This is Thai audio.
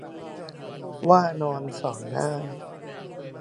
ว่านอนสอนง่าย